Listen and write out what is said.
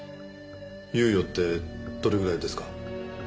猶予ってどれぐらいですか？